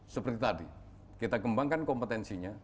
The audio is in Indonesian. seperti tadi kita kembangkan kompetensinya